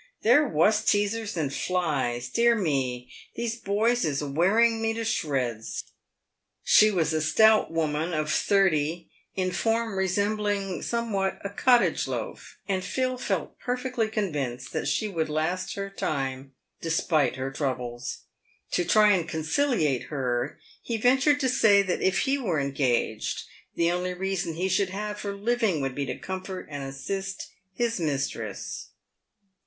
They're wuss teasers than flies. Dear me! these boys is wearing me to shreds." She was a stout woman of thirty, in form somewhat resembling a cottage loaf, and Phil felt perfectly convinced that she would last her time, despite her troubles. To try and conciliate her, he ventured to say that if he were engaged, the only reason he should have for living would be to comfort and assist his mistress.